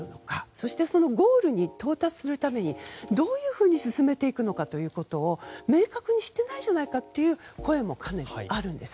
そしてそのゴールに到達するためにどういうふうに進めていくのかということを明確にしていないじゃないかという声もかなりあるんです。